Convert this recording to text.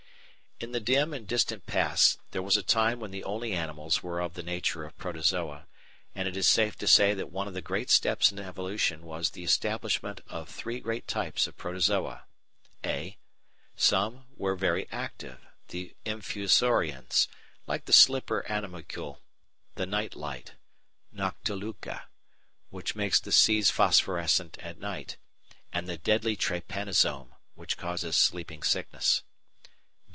In the dim and distant past there was a time when the only animals were of the nature of Protozoa, and it is safe to say that one of the great steps in evolution was the establishment of three great types of Protozoa: (a) Some were very active, the Infusorians, like the slipper animalcule, the night light (Noctiluca), which makes the seas phosphorescent at night, and the deadly Trypanosome, which causes Sleeping Sickness.